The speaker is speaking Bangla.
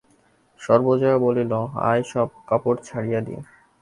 সর্বজয়া বলিল, আয় সব, কাপড় ছাড়িয়ে দিই।